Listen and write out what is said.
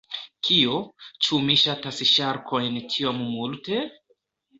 Kio? Ĉu mi ŝatas ŝarkojn tiom multe?